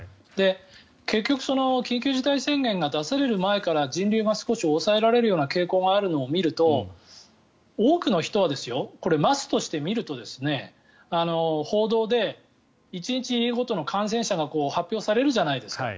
結局、緊急事態宣言が出される前から人流が少し抑えられるような傾向を見ると多くの人は、マスとして見ると報道で１日ごとの感染者が発表されるじゃないですか。